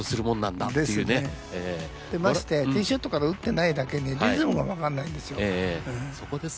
でましてやティーショットから打ってないだけにリズムが分かんないんですよ。